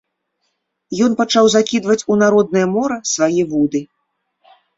Ён пачаў закідваць у народнае мора свае вуды.